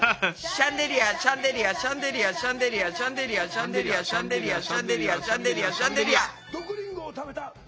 シャンデリアシャンデリアシャンデリアシャンデリアシャンデリアシャンデリアシャンデリアシャンデリアシャンデリアシャンデリア！